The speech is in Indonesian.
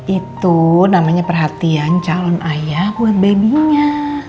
itu namanya perhatian calon ayah buat baby nya